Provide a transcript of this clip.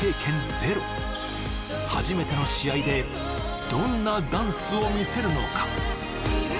ゼロ初めての試合でどんなダンスを見せるのか？